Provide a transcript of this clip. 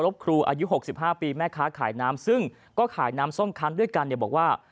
ขอรับครูอายุ๖๕ปีแม่ค้าขายน้ามซึ่งซึ่งก็ขายน้ำส้มขั้นด้วยกันแบบว่า